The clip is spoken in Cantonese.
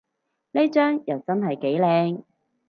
呢張又真係幾靚